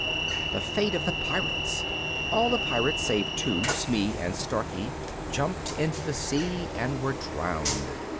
THE FATE OF THE PIRATES All the pirates save two, Smee and Starkey, jumped into the sea and were drowned.